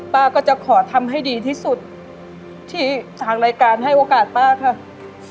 ป้าก็จะขอทำให้ดีที่สุดที่ทางรายการให้โอกาสป้าค่ะ